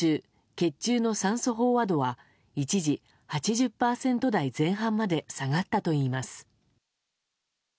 血中の酸素飽和度は一時、８０％台前半まで下がったといいます。